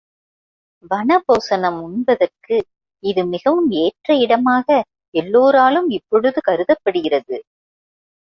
வன போசனம் உண்பதற்கு இது மிகவும் ஏற்ற இடமாக எல்லோராலும் இப்பொழுது கருதப்படுகிறது.